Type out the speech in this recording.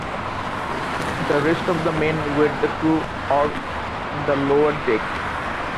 The rest of the men were the crew, or the 'lower deck'.